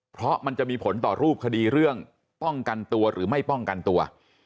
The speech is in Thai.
เพราะมันจะมีผลต่อรูปคดีเรื่องป้องกันตัวหรือไม่ป้องกันตัว